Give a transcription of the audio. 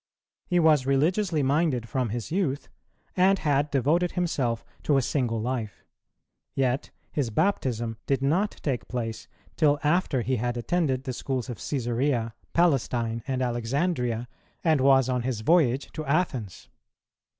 He was religiously minded from his youth, and had devoted himself to a single life. Yet his baptism did not take place till after he had attended the schools of Cæsarea, Palestine, and Alexandria, and was on his voyage to Athens.